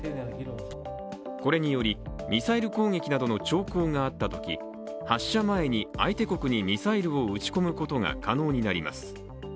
これによりミサイル攻撃などの兆候があったとき、発射前に相手国にミサイルを撃ち込むことが可能になります。